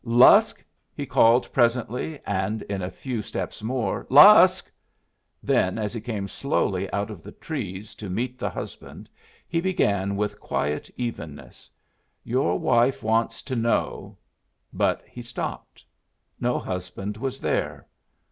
"Lusk!" he called, presently, and in a few steps more, "Lusk!" Then, as he came slowly out of the trees to meet the husband he began, with quiet evenness, "Your wife wants to know " But he stopped. No husband was there.